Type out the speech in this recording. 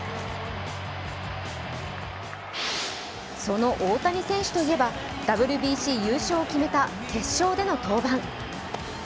その大谷選手といえば、ＷＢＣ優勝を決めた決勝での登板。